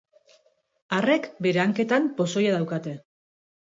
Arrek bere hanketan pozoia daukate.